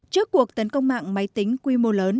trước cuộc tấn công mạng máy tính quy mô lớn